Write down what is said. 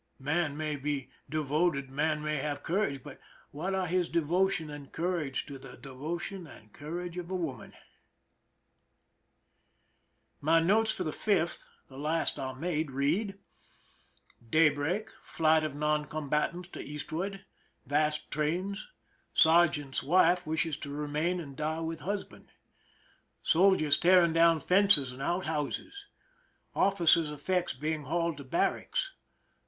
Man may be devoted, man may have courage, but what are his devotion and cour age to the devotion and courage of woman ! My notes for the 5th— the last I made—read : Daybreak. Flight of non combatants to eastward. Vast trains. Sergeant's wife wishes to remain and die with husband. Soldiers tearing down fences and out houses J officers' effects being hauled to barracks.